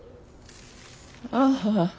ああ。